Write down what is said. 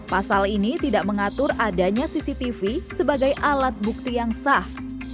pasal ini tidak mengatur adanya cctv sebagai alat bukti yang sah